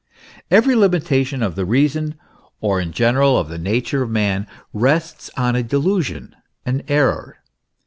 Every limitation of the reason, or in general of the nature of man, rests on a delusion, an error.